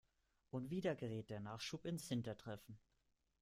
Und wieder gerät der Nachschub ins hintertreffen.